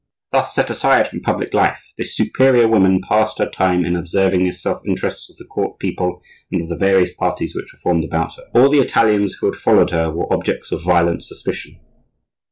Thus set aside from public life, this superior woman passed her time in observing the self interests of the court people and of the various parties which were formed about her. All the Italians who had followed her were objects of violent suspicion.